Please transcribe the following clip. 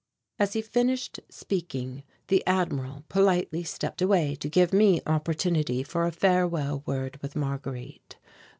As he finished speaking the Admiral politely stepped away to give me opportunity for a farewell word with Marguerite.